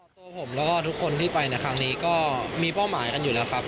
ตัวผมแล้วก็ทุกคนที่ไปในครั้งนี้ก็มีเป้าหมายกันอยู่แล้วครับ